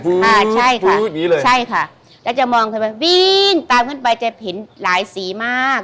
ฟึ๊บฟึ๊บนี้เลยใช่ค่ะแล้วจะมองขึ้นไปวิ่งตามขึ้นไปจะเห็นหลายสีมาก